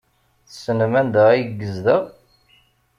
Tessnem anda ay yezdeɣ?